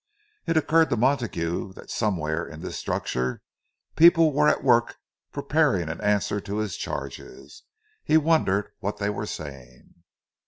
It occurred to Montague that somewhere in this structure people were at work preparing an answer to his charges; he wondered what they were saying.